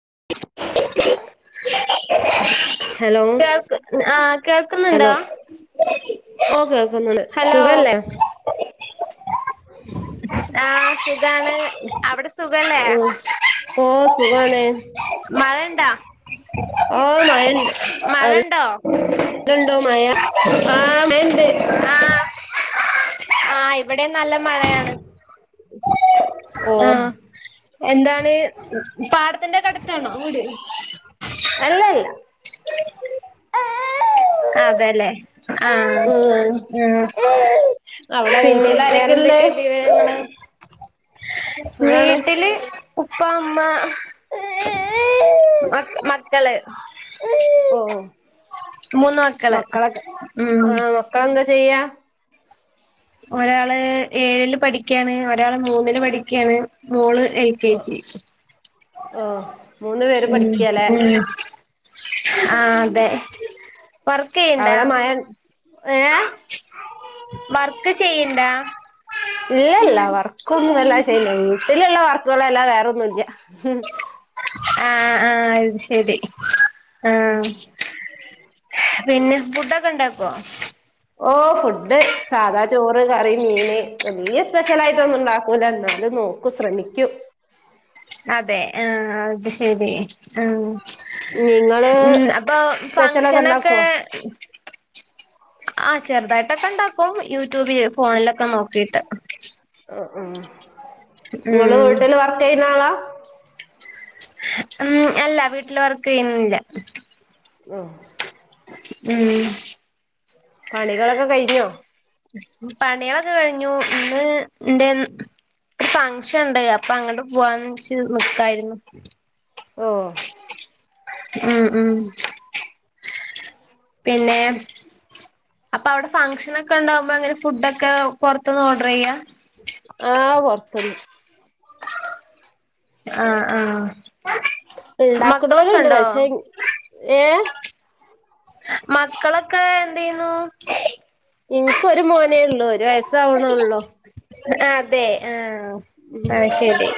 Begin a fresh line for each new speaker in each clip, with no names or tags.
[inaudible]
കേൾക്ക് ആ
ഹലോ
കേൾക്കുന്നുണ്ടോ
ഓ കേൾക്കുന്നുണ്ട്
ഹലോ
സുഖല്ലേ
ആ സുഖാണ് അവിടെ സുഖല്ലേ
ഓ ഓ സുഖാണ്
മഴയുണ്ടോ
ഓ മഴണ്ട്
മഴയുണ്ടോ
അവിടെണ്ടോ ആ മഴയുണ്ട്
ആ ആ ഇവിടെ നല്ല മഴയാണ്
ഓ
ആ എന്താണ് പാടത്തിന്റെ അടുത്താണോ വീട്
അല്ല അല്ല
ആഹ് അതലെ ആഹ്
ഉം
ഉം
അവിടെ
പിന്നെ
വീട്ടിൽ ആരൊക്കെയള്ളേ
വേറെന്തൊക്കെയ വിവരങ്ങള്
സുഖാണ്
വീട്ടില് ഉപ്പ അമ്മ മക്ക് മക്കള് മൂന്ന് മക്കള്
മക്കളെ
ഉം
ആ മക്കളെന്താ ചെയ്യാ
ഒരാള് ഏഴില് പഠിക്കയാണ് ഒരാള് മൂന്നില് പഠിക്കയാണ് മോള് ഏക്കേജി
ഓ മൂന്ന് പേര്
ഉം
പഠിക്കല്ലേ
ഉം ആ അതെ വർക്ക് ചെയ്യണ്ടാ
അവിടെ മഴ ഏ
വർക്ക് ചെയ്യണ്ട
ഇല്ല ഇല്ല വർക്കൊന്നും അല്ല ചെയ്യുന്നേ വീട്ടിലുള്ള വർക്ക് [unintelligible] അല്ലാ വേറൊന്നുല്ല
ആ ആ അത് ശരി ആ
[unintelligible]
പിന്നെ ഫുഡൊക്കെ ഇണ്ടാക്കോ
ഓ ഫുഡ് സാധാ ചോറ് കറി മീന് വലിയ സ്പെഷ്യൽ ആയിട്ടൊന്നും ഉണ്ടാക്കൂല [unintelligible] നോക്കു ശ്രമിക്കൂ
അതെ ആ അത് ശരി ഉം
നിങ്ങള്
ഉം അപ്പൊ
സ്പെഷ്യലൊക്കെ
ഫങ്ഷനൊക്കെ
ഉണ്ടാക്കോ [unintelligible]
ആ ചെറുതായിട്ടൊക്കെ ഉണ്ടാക്കും യൂട്യൂബില് ഫോണിലൊക്കെ നോക്കിട്ട്
ഉം നിങ്ങള്
ഉം
വീട്ടില് വർക്ക് ചെയ്യുന്ന ആളാ
ഉം അല്ല വീട്ടില് വർക്ക് ചെയുന്നില്ല
ആ
ഉം
പണികളൊക്കെ കഴിഞ്ഞോ
പണയൊക്കെ കഴിഞ്ഞു ഇന്ന് എന്റെ ഫംഗഷൻ ഉണ്ട് അപ്പൊ അങ്ങോട്ട് പോവാന്ന് വച്ച് നിക്കായിരുന്നു
ഓ
ഉം ഉം പിന്നെ അപ്പൊ അവിടെ ഫംഗ്ഷന്‍ ഒക്കെ ഉണ്ടാകുമ്പോ അങ്ങനെ ഫുഡ് ഒക്കെ പുറത്തൊന്ന് ഓർഡര്‍ ചെയ്യാ
ആ പുറത്തന്ന്
ആ ആ
ഉണ്ടാക്കണൊര് ഇണ്ട് പക്ഷേ ഏ
മക്കളൊക്കെ എന്ത് ചെയ്യുന്നു
എനക്ക് ഒരു മോനേ ഉള്ളൂ ഒരു വയസാവണള്ളൂ
അതെ ആ ആ ശരി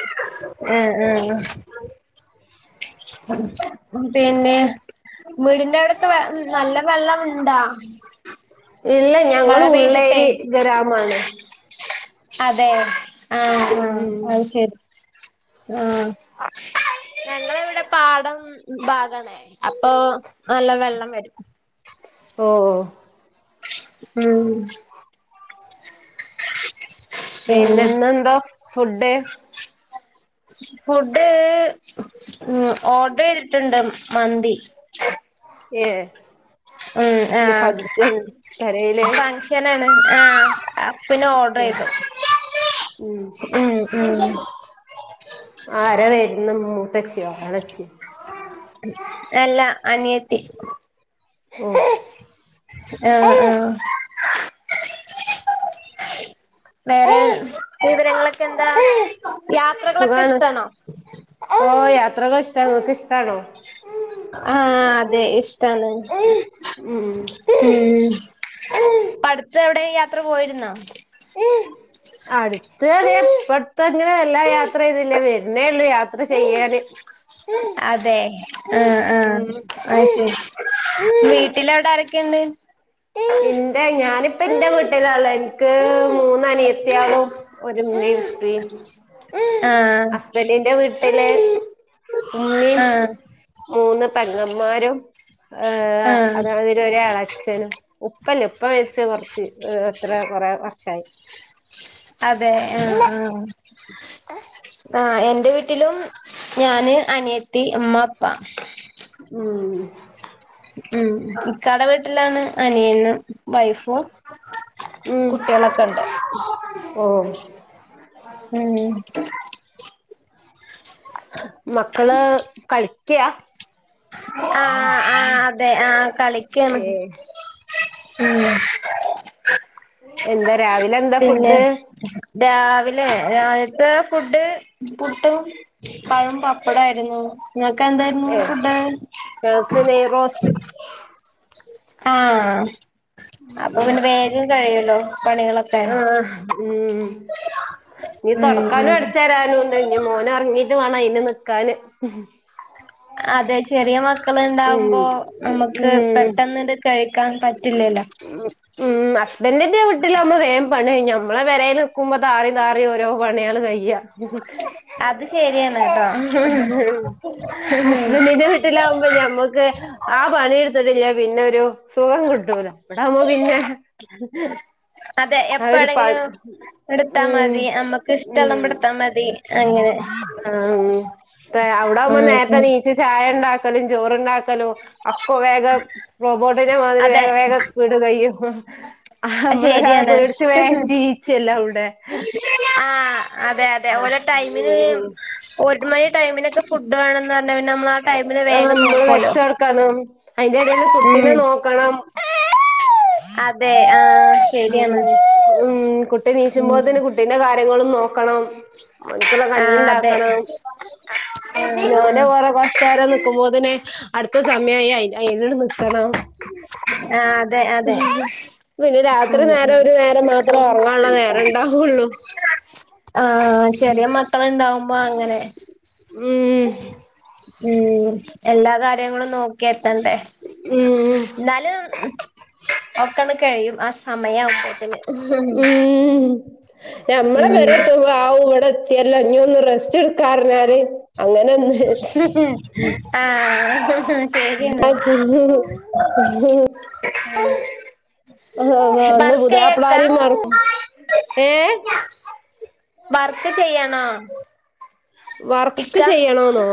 ആ ആ [unintelligible] പിന്നെ വീടിന്റെ അടുത്ത് വെ നല്ല വെള്ളം ഇണ്ടാ
ഇല്ല ഞങ്ങള് ഉള്ളേരിയ ഗ്രാമമാണ്
അതെ ആ ആ
ഉം
അത് ശെരി ആ ഞങ്ങളവിടെ പാടം ഭാഗാണേ അപ്പൊ നല്ല വെള്ളം വരും
ഓ ഓ
ഉം പിന്നെ
പിന്നന്നെന്താ ഫുഡ്
ഫുഡ് ഉം ഓർഡര്‍ ചെയ്തിട്ടുണ്ട് മന്തി
ഏ
ഉം ആ
ഇന്ന് ഫംഗ്ഷൻ പെരേല്
ഫംഗഷനണ് ആ പിന്നെ ഓർഡർ ഉം ഉം
ആര വരന്ന് മൂത്തച്ചിയോളച്ചി
അല്ല അനിയത്തി
[unintelligible]
ആഹ് ആ
ഓ
വേറെ വിവരങ്ങളൊക്കെ എന്താ യാത്രകളൊക്കെ
സുഖാണ്
ഇഷ്ടാണോ
യാത്രക്കെ ഇഷ്ടാ നിങ്ങക്ക് ഇഷ്ടാണോ
ആ അതെ ഇഷ്ടാണ്
ഉം
ഉം ഇപ്പടുത്ത് എവിടെ യാത്ര പോയിരുന്നാ
അടുത്ത് ഇപ്പടത്തങ്ങനെ എല്ലാ യാത്ര ചെയ്തില്ലാ വരുന്നേള്ളൂ യാത്ര ചെയ്യാന്
അതെ ആ ആ ആ ശരി വീട്ടിലവിടെ ക്കെയുണ്ട്
എന്റെ ഞാനിപ്പ എന്റെ വീട്ടിലാള്ളേ എനക്ക് മൂന്നനിയത്തിയാളും ഒരു ഉമ്മേം ഉപ്പേം
ആഹ്
ഹസ്ബൻറിന്റെ വീട്ടില് ഉമ്മീം
ആഹ്
മൂന്ന് പെങ്ങമാരും ആ
ആഹ്
[unintelligible] ഒരു ഇളേച്ഛൻ ഉപ്പല്ല ഉപ്പ മരിച്ച് കൊറച്ച് എത്ര കൊറേ വർഷായി
അതെ ആ ആ ആ വീട്ടിലും ഞാന് അനിയത്തി അമ്മ അപ്പാ
ഉം
ഉം ഇക്കാടെ വീട്ടിലാണ് അനിയനും വൈഫും
ഉം
കുട്ടികളൊക്കെ ഇണ്ട്
ഓഹ്
ഉം
മക്കള് കളിക്ക്യാ
ആ ആ അതെ ആ കളിക്കാണ്
ഏഹ്
ഉം
[unintelligible] എന്താ
പിന്നെ
ഫുഡ്
രാവിലെ രാവിലത്തെ ഫുഡ് പുട്ടും പഴം പപ്പടാരുന്നു നിങ്ങക്ക് എന്തായിരുന്നൂ
ഏഹ്
ഫുഡ്
ഞങ്ങക്ക് നെയ്റോസ്റ്റ്
ആ അപ്പൊ പിന്നെ വേഗം കഴിയൂല്ലോ
ആ ഉം ഇനി
ഉം
തൊടക്കാനും
ഉം
അടച്ച് വാരാനും ഇണ്ട് ഇനി മോന് ഉറങ്ങീട്ട് വേണം അയിന് നിക്കാന്
അതെ ചെറിയ മക്കള്
ഉം
ഇണ്ടാവുമ്പോ നമുക്ക് പെട്ടെന്ന് കഴിക്കാൻ പറ്റു
ഉം ഉം ഹസ്ബൻഡിന്റെ വീട്ടിലാവുമ്പോ വേഗം പണി കഴിയും ഞമ്മളെ പെരേല് ക്കുമ്പോ താറി താറിയാ ഓരോ പണികള് കഴിയാ
അത് ശരിയാണ് കേട്ടോ
ഹസ്ബൻറിന്റെ വീട്ടിലാവുമ്പോ ഞമ്മക്ക് ആ പണിയെടുത്തിട്ടില്ലാ പിന്നെ ഒരു സുഖം കിട്ടൂലാ ഇവിടാവുമ്പോ പിന്നെ
അതെ
ആ ഒരു
എപ്പാണെങ്കിലും
പണി
എടുത്താ
ഉം
മതി നമ്മക്ക് ഇഷ്ടമുള്ളപ്പോ എടുത്താ മതി അങ്ങനെ
ആ ഇപ്പ അവിടാവുമ്പോ
ഉം
നേരത്തെ
ഉം
എണീച്ച് ചായ ഉണ്ടാക്ക ലും ചോറുണ്ടാക്കലും അക്കു വേഗം റോബോട്ടിനെ മാതിരി
അതെ
വേഗം വേഗം ആ നമ്മള് ഒരാളെ
ശരിയാണ്
പേടിച്ച് വേണം ജീവിച്ചല്ലേ അവിടെ
ആഹ് അതെ അതെ ഓരോ ടൈമിന്
ഉം
ഒരു മണി ടൈമിനൊക്കെ ഫുഡ് വേണെന്നാ ന്ന നമ്മളാ ആ ടൈമില് വേഗം
നമ്മള്
നോക്കുവല്ലോ
വെച്ച് കൊടുക്കണം അതിന്റെ ഇടയില് കുട്ടീനെ
ഉം
നോക്കണം
അതെ ആ ശരിയാണ്
ഉം ഉം കുട്ടി
ഉം
നീച്ചുമ്പോത്തിന് [unintelligible] നോക്കണം അവനിക്കുള്ള കഞ്ഞി
ആഹ് അതെ
ഇണ്ടാക്കണം [unintelligible]
ആഹ് ആഹ്
കൊറച്ച് നേരം നിക്കുമ്പോ തന്നെ അടുത്ത സമയായി അയിന അയിനോട് നിക്കണം
ആഹ് അതെ അതെ
പിന്നെ രാ ഇത്തിരി
ഉം
നേരം
ഉം
ഒരു നേരം മാത്രമേ ഒറങ്ങാനുള്ള നേരം ഒണ്ടാവുള്ളൂ
ആ ചെറിയ മക്കള് ഇണ്ടാവുമ്പോ അങ്ങനെ
ഉം
ഉം എല്ലാ കാര്യങ്ങളും നോക്കിയ
ഉം
എന്നാലും ഒക്കണ കഴിയും സമയാവും അപ്പോത്തിന്
ഉം ഞമ്മളെ പെര എത്തുമ്പോ ആ ഇവിടെ എത്തിയല്ലോ ഇഞ്ഞൊന്ന് റസ്റ്റ് എടുക്കാ പറഞ്ഞാല് അങ്ങനെന്നെ
[unintelligible]
[unintelligible] ആഅന്ന്
വർക്ക് ചെയ്യക്കാ
പുതിയപ്പളമാരെ [unintelligible]
വർക്ക് ചെയ്യണോ
വർക്ക് ചെയ്യണോന്നോ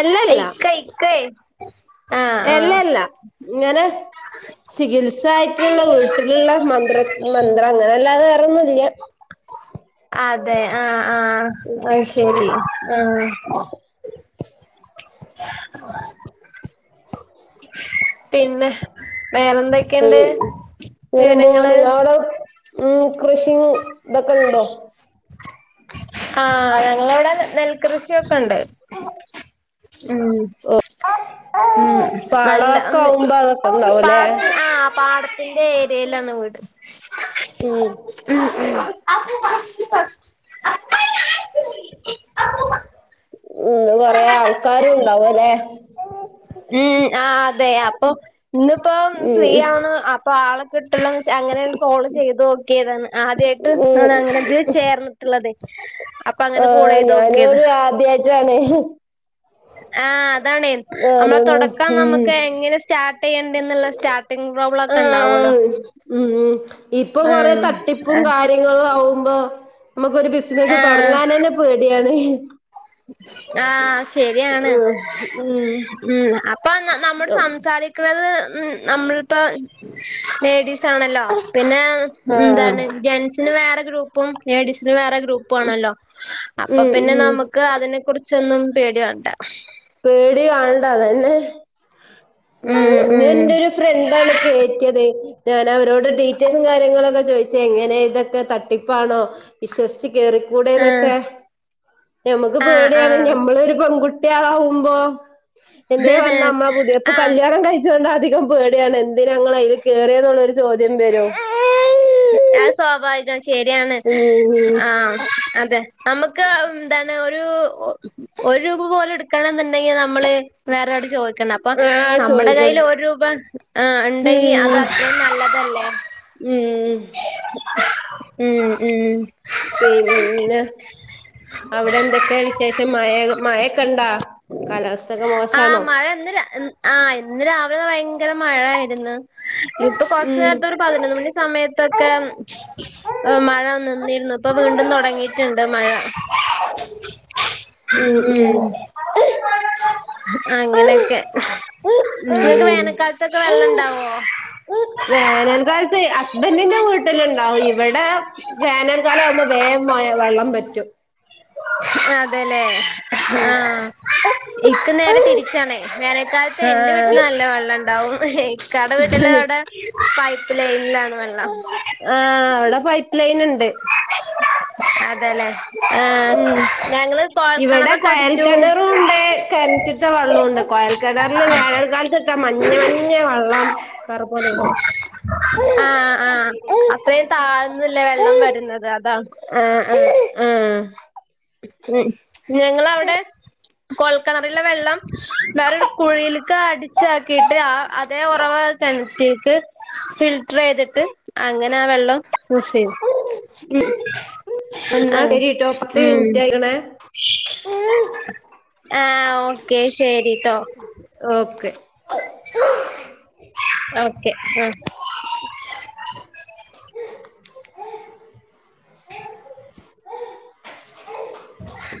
അല്ലല്ല
ഇക്ക ഇക്കേ ആഹ് ആഹ്
എല്ലല്ല ഇങ്ങനെ ചികിത്സ ആയിട്ടുള്ള വീട്ടിലുള്ള മന്ത്ര മന്ത്രം അങ്ങനെല്ലാ വേറെയൊന്നുല്ല
അതെ ആആഅ യ്ശരി ആ [inaudible] പിന്നെ വേറെന്തൊക്കെയുണ്ട്
ഇങ്ങനം പോകുന്നു
വിവരങ്ങള്
നിങ്ങടെ കൃഷി ഇതൊക്കെഉണ്ടോ
ആ ഞങ്ങളവിടെ നെൽകൃഷിയൊക്കെ ഇണ്ട് ഉം ഉം നല്ല
പാടൊക്കെ ആവുമ്പോ അതൊക്കെ ഉണ്ടാവുംല്ലേ
പാടത്തി ആ പാടത്തി പാടത്തിന്റെ ഏരിയയിലാണ് വീട്
ഉം
ഉം ഉം [inaudible]
ഉന്ന് കൊറെേ ആൾക്കാരുണ്ടാവുംല്ലെ
ഉം ആ അതെ അപ്പൊ ഇന്നിപ്പോ
ഉം
ഫ്രീയാണ് അപ്പൊ ആളക്കെ ഇട്ടുള്ള അങ്ങനെയ കോൾ ചെയ്ത് ഓക്കിയതാണ് ആദ്യമായിട്ട്
ഉം
അങ്ങനെ ചേർന്നിട്ടുള്ളത്
ആ ഞാനത് ആദ്യായിട്ടാാണ്
ആ അതാണ് നമ്മളെ തുടക്കം
ഉം
നമ്മുക്ക് എങ്ങനെ സ്റ്റാർ്ട് സ്റ്റാർട്ടിംഗ് പ്രോബലം ഒക്കെ ഉണ്ടാവുമല്ലോ
ആഹ് ഉം ഇപ്പൊ കൊറെ
ആഹ്
തട്ടിപ്പും കാര്യങ്ങളും ആവുമ്പോ നമുക്കൊരു ബിസിനസ്സ് തുടങ്ങാൻ തന്നെ പേടിയാണ്
ആശരിയാണ്
ഉം
ഉം അപ്പൊ നമ്മൾ സംസാരിക്കുന്നത് ഉ നമ്മളിപ്പോ ലേഡീസ് ആണല്ലോ പിന്നെ
ആഹ്
എന്താണ് ജെന്റ്സിന് വേറെ ഗ്രൂപ്പും ലേഡീസിന് വേറെ ഗ്രൂപ്പും ആണല്ലോ അപ്പൊ
ഉം
പിന്നെ
ഉം
നമുക്ക് തിനെ കുറിച്ചൊന്നും പേടി വണ്ട
പേടി കാണണ്ട അതന്നെ ഉ
ഉം
ഇ
ഉം
എന്റെ ഒരു ഫ്രണ്ടാണ് കേയറ്റിയത് ഞാന അവരോട് ഡീറ്റെയിൽസും കാര്യങ്ങളൊക്കെ ചോയിിച്ച എങ്ങനെ ഇതൊക്കെ തട്ടിപ്പാണോ വിശ്വസിച് കേറിക്കൂടെന്നൊക്കെ
ആഹ്
നഞമ്മുക്ക് പേടെയാണ്
ആഹ്
ഞമ്മള ഒരു പൺുട്ടി കുട്ടിയാളകുമ്പോ എന്നേ വന്ന
ആഹ്
നമ്മളെ പുതിയപ്പ
ആഹ്
കല്യാണം കഴിച്ചോണ്ട അധികം പേടിയാണ് എന്തിന ങ്ങൾ അതിൽ കേറിയ എന്നുള്ളരു ചോദ്യം വരോ
അത് സ്വാഭാവികം ശരിയാണ്
ഉം
ആ അതെ നമുക്ക് എന്താണ് ഒരു ഒരു രൂപ പോലെ എടു കിട്ടണം എന്നുണ്ടെങ്കിൽ നമ്മള് വേറെട് ചോദിക്കണം അപ്പൊ
ആഹ്
നമ്മുടെ കൈയിൽ
ചോദിക്കണം
ഒരു രൂപ ആ ഉണ്ടെങ്കി അത്
ഉം
അത്രയും നല്ലതല്ലേ
ഉം
ഉം ഉം
പിന്നെ അവിടെ എന്തൊക്കെയ വിശേഷം മ മഴൊക്കെ ഉണ്ടാ കാലാവസ്ഥ ഒക്കെ മോശണോ
ആ ഇന്ന് രാവിലെ ഭയങ്കര മഴ ആയിരുന്നു ഇപ്പൊ കൊറച്ച
ഉം
നേരത്ത ഒരു പതിനൊന്ന് മണി സമയത്തൊക്കെ മഴ നിന്നിരുന്നു ഇപ്പൊ വീണ്ടും തുടങ്ങിട്ടുണ്ട് മഴ
ഉം ഉം
അങ്ങനെയൊക്കെ നിങ്ങൾക്ക്
ഉം
വേനൽക്കാലത്തൊക്കെ വെള്ളം ഇണ്ടാവോ
വേനൽ കാലത്ത് ഹസ്ബന്റിന്റെ വീട്ടിലുണ്ടാവും ഇവിടെ വേനൽകാലം ആകുമ്പോ സേമായ വെള്ളം പറ്റും
അതെല്ലേ ആ ഇക്ക് നേരെ തിരിച്ചാണേ ക്കാലത്ത് എന്റെ വീട്ടിൽ
ആഹ്
നല്ല വെള്ളം ഉണ്ടാവും ഇക്കാടെ വീട്ടില് അവിടെ പൈപ്പ് ലൈനിൽ ആണ്
ആ അവിടെ പൈപ്പ് ലൈൻ ഉണ്ട്
അതെല്ലേ ആഹ്
ഉം
ഞങ്ങള്
ഇവിടെ
കൊഴൽക്കിണറൊക്കെ അടിച്ചു
കോയൽക്കിണറും ഉണ്ട് കിണറ്റത്തെ വെള്ളവുമുണ്ട് കോയൽ കിണറില് വേ കാലതൊട്ടെ മഞ്ഞ മഞ്ഞ വെള്ളംലെ
അത്രേം താഴ്ന്നില്ല വെള്ളം വര
ആ ആ ആ
ഉം ഞങ്ങളവിടെ കൊൽക്കിണറിലെ വെള്ളം വേറൊരു കുഴിയിലേക്ക് അടി ചാ ആക്കിയിട്ട് അതേ ഉറവ കിണറ്റിക്ക് ഫീൽ ഇട്ര ചെയ്തിട്ട് അങ്ങനെ ആ വെള്ളം യൂസ് ചെയ്തു
ഉം എന്നാ ശരിട്ടോ [unintelligible]
ഉം
ആയിക്കണ
ആ ഓക്കെ ശരി
ഓക്കെ
ഓക്കെ ആഹ് ഹ്